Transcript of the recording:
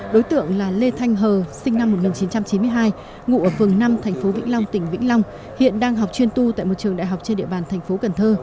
đối tượng là lê thanh hờ sinh năm một nghìn chín trăm chín mươi hai ngụ ở vườn năm tp vĩnh long tỉnh vĩnh long hiện đang học chuyên tu tại một trường đại học trên địa bàn tp cn